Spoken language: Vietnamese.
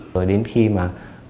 rồi đến khi mà